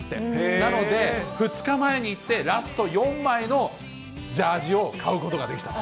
なので、２日前に行って、ラスト４枚のジャージを買うことができたと。